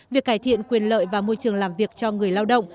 việc cải thiện quyền lợi và môi trường làm việc cho người lao động